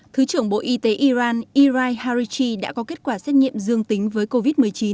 thứ trưởng bộ y tế iran irai harichi đã có kết quả xét nghiệm dương tính với covid một mươi chín